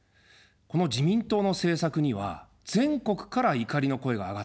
この自民党の政策には全国から怒りの声が上がっています。